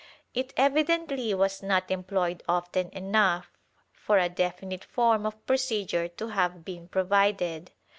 It evidently was not employed often enough for a definite form of procedure to have been provided.